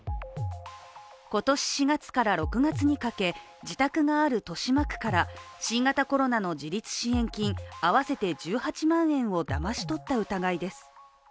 今年４月から６月にかけ、自宅がある豊島区から新型コロナの自立支援金合わせて１８万円をだまし取った疑いです。